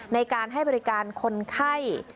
ในการให้บริการคนไข้